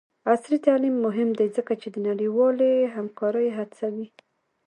عصري تعلیم مهم دی ځکه چې د نړیوالې همکارۍ هڅوي.